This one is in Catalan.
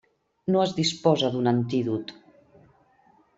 No es disposa d'un antídot.